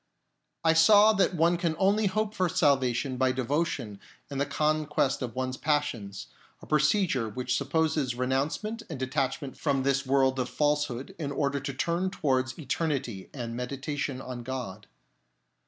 I saw that one can only hope for salvation by devotion and the conquest of one's passions, a procedure which pre supposes renouncement and detachment from HIS INNER STRUGGLES 43 this world of falsehood in order to turn towards eternity and meditation on God.